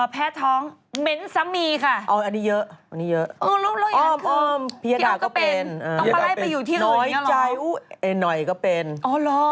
แพ้ท้อง